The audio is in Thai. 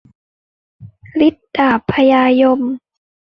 ฤทธิ์ดาบพญายม